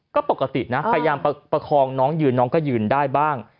ก็ปกตินะพยายามประคองน้องยืนน้องก็ยืนได้บ้าง